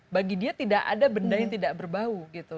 bagi dia tidak ada benda yang tidak berbau gitu